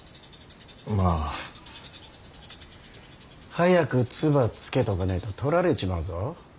まあ。早く唾つけとかねえと取られちまうぞ。